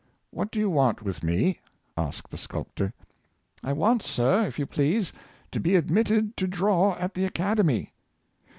"What do you want with me.^^' asked the sculptor. *' I want, sir, if you please, to be admitted to draw at the Academy."